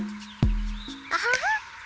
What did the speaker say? アハハ。